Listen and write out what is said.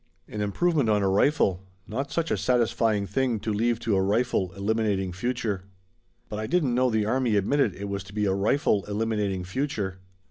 An improvement on a rifle. Not such a satisfying thing to leave to a rifle eliminating future." "But I didn't know the army admitted it was to be a rifle eliminating future."